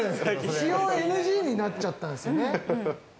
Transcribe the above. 使用ＮＧになっちゃったんですよね。